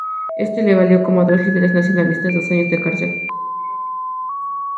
Esto le valió, como a otros líderes nacionalistas, dos años de cárcel.